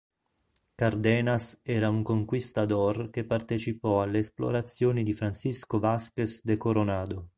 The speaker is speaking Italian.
Cardenas era un conquistador che partecipò alle esplorazioni di Francisco Vázquez de Coronado.